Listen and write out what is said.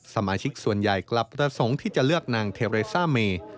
สมาชิกส่วนใหญ่กลับประสงค์ที่จะเลือกนางเทเรซ่าเม